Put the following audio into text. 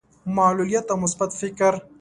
معلوليت او مثبت فکر.